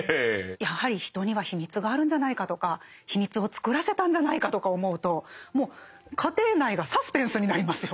やはり人には秘密があるんじゃないかとか秘密を作らせたんじゃないかとか思うともう家庭内がサスペンスになりますよ。